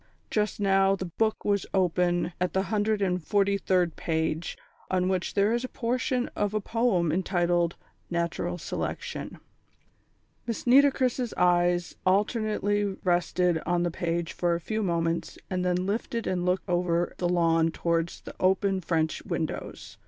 Just now the book was open at the hundred and forty third page, on which there is a portion of a poem entitled Natural Selection. Miss Nitocris' eyes alternately rested on the page for a few moments and then lifted and looked over the lawn towards the open French windows.